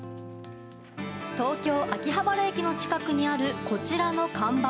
東京・秋葉原駅の近くにあるこちらの看板。